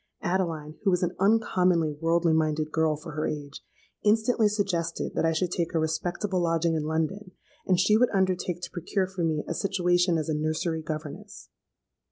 Adeline, who was an uncommonly worldly minded girl for her age, instantly suggested that I should take a respectable lodging in London, and she would undertake to procure for me a situation as a nursery governess.